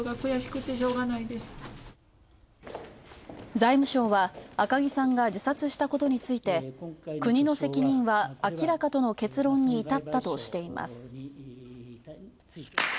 財務相は赤木さんが自殺したことについて国の責任は明らかとの結論にいたったとしています。